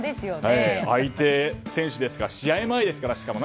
相手選手ですが試合前ですから、しかも。